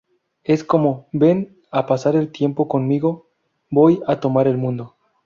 Es como: "Ven a pasar el tiempo conmigo, voy a tomar el mundo".